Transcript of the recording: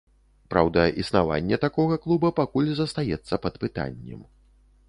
Праўда, існаванне такога клуба пакуль застаецца пад пытаннем.